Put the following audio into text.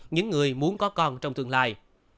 những người muốn có con trong tương lai